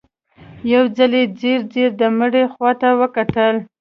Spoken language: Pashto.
يو ځل يې ځير ځير د مړي خواته وکتل.